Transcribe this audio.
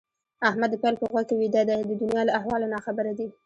احمد د پيل په غوږ کې ويده دی؛ د دونيا له احواله ناخبره دي.